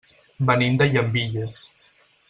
Venim de Llambilles.